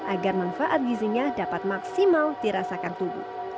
agar manfaat gizinya dapat maksimal dirasakan tubuh